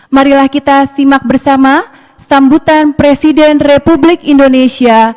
marilah kita simak bersama sambutan presiden republik indonesia